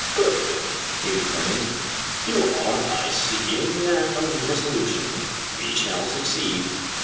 "Good I" he exclaimed. "You are, I see, a man of resolution. We shall succeed.